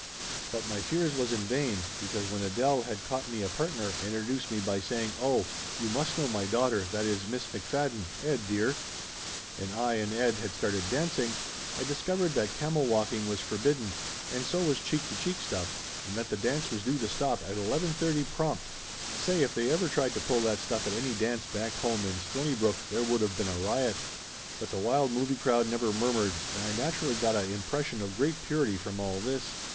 But my fears was in vain, because when Adele had caught me a partner and introduced me by saying, "Oh, you must know my daughter that is, Miss McFadden, Ed, dear !" and I and Ed had started dancing, I discovered that camel walking was forbidden, and so was cheek to cheek stuff, and that the dance was due to stop at 11.30 prompt! Say, if they ever tried to pull that stuff at any dance back home in Stonybrook, there would of been a riot ! But the wild movie crowd never murmured, and I naturally got a impression of great purity from all this.